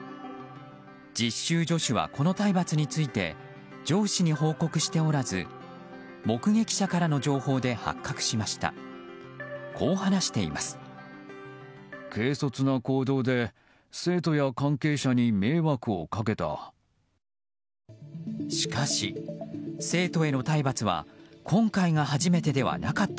実習助手はこの体罰について上司に報告しておらず目撃者からの情報で発覚しました。